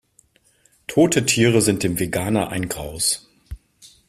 Tote Tiere sind dem Veganer ein Graus.